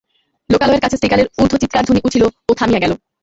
লোকালয়ের কাছে শৃগালের ঊর্ধ্বচীৎকারধ্বনি উঠিল ও থামিয়া গেল।